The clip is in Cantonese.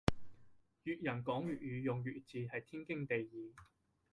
粵人講粵語用粵字係天經地義